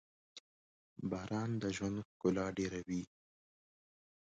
• باران د ژوند ښکلا ډېروي.